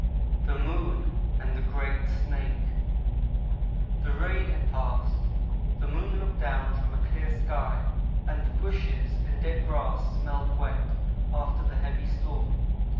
THE MOON AND THE GREAT SNAKE THE rain had passed; the moon looked down from a clear sky, and the bushes and dead grass smelled wet, after the heavy storm.